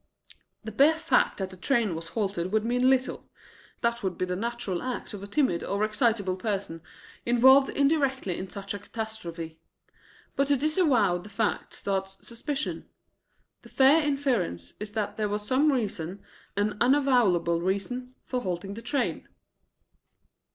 "The bare fact that the train was halted would mean little. That would be the natural act of a timid or excitable person involved indirectly in such a catastrophe. But to disavow the act starts suspicion. The fair inference is that there was some reason, an unavowable reason, for halting the train."